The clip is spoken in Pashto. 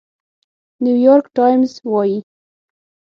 نيويارک ټايمز وايي،